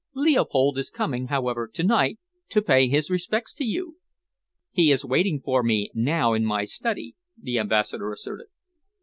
"Leopold is coming, however, to night, to pay his respects to you." "He is waiting for me now in my study," the Ambassador asserted.